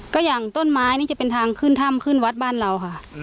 ก็อย่างต้นไม้นี่จะเป็นทางขึ้นถ้ำขึ้นวัดบ้านเราค่ะ